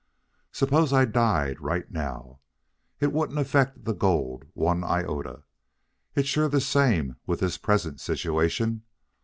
Suppose I died right now. It wouldn't affect the gold one iota. It's sure the same with this present situation.